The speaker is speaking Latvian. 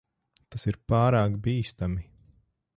Tas ir pārāk bīstami.